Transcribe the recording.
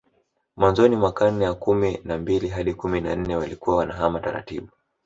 Mwanzoni mwa karne ya kumi na mbili hadi kumi na nne walikuwa wanahama taratibu